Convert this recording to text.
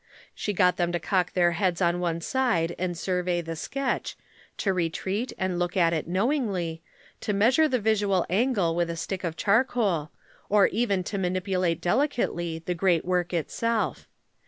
She got them to cock their heads on one side and survey the sketch, to retreat and look at it knowingly, to measure the visual angle with a stick of charcoal, or even to manipulate delicately the great work itself.